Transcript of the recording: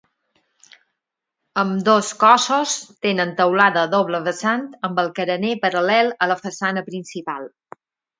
Ambdós cossos tenen teulada a doble vessant amb el carener paral·lel a la façana principal.